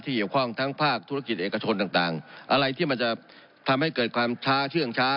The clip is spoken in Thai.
เกี่ยวข้องทั้งภาคธุรกิจเอกชนต่างอะไรที่มันจะทำให้เกิดความช้าเชื่องช้า